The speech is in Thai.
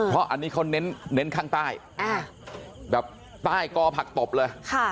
เพราะอันนี้เขาเน้นข้างใต้แบบใต้กอผักตบเลย